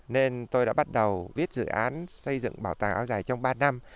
nên tôi đã bắt đầu viết dự án xây dựng bảo tàng áo dài trong ba năm